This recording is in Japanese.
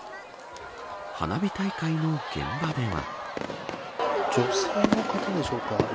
花火大会の現場では。